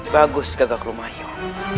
bagus gagak rumahir